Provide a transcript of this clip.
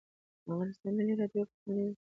د افغانستان ملي راډیو پخوانۍ ده